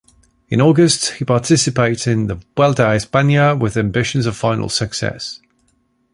In August he participates in the Vuelta a España with ambitions of final success.